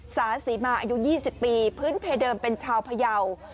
สาศรีมาอายุ๒๐ปีพื้นเพเดิมเป็นชาวพยาว